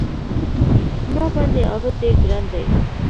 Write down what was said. ما باندې عابد ډېر ګران دی